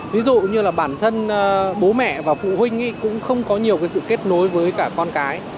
ví dụ như là bản thân bố mẹ và phụ huynh cũng không có nhiều cái sự kết nối với cả con cái